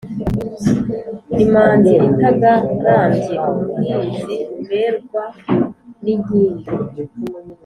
Imanzi itagarambye, umuhizi mberwa n'inkindi